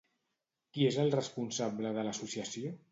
Qui és el responsable de l'associació?